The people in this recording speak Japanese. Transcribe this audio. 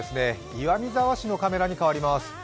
岩見沢市のカメラに変わります。